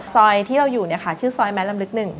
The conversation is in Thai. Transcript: ซอยที่เราอยู่ค่ะชื่อซอยแมดลำนึกนึ่ง